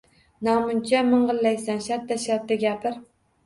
Namuncha ming‘illaysan, shartta-shartta gapir!